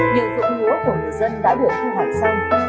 nhiều dụng lúa của người dân đã được thu hoạch xong